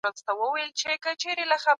د نيکونو ميراث بايد وساتل سي.